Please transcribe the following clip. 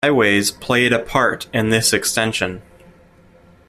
Highways played a part in this extension.